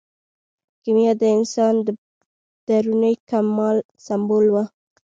کیمیا د انسان د دروني کمال سمبول و.